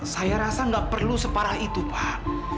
saya rasa nggak perlu separah itu pak